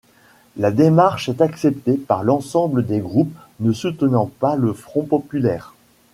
La démarche est acceptée par l’ensemble des groupes ne soutenant pas le Front populaire.